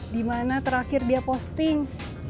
di mana terakhir dia posting